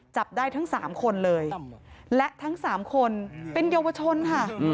จับได้ทั้ง๓คนเลยและทั้ง๓คนเป็นเยาวชนค่ะ